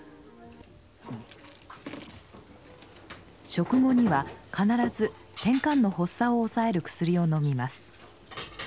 食後には必ずてんかんの発作を抑える薬をのみます。